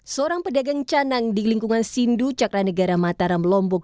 seorang pedagang canang di lingkungan sindu cakra negara mataram lombok